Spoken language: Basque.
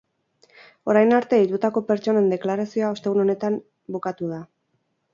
Orain arte deitutako pertsonen deklarazioa ostegun honetan bukatu da.